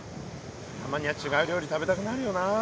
たまには違う料理食べたくなるよな。